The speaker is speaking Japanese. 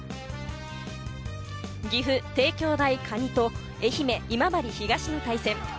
岐阜・帝京大可児と、愛媛・今治東の対戦。